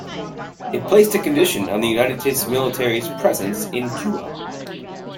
It placed a condition on the United States military's presence in Cuba.